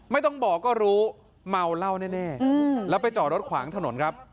ไม่ต้องบอกก็รู้เมาเหล้าแน่แล้วไปจอดรถขวางถนนครับ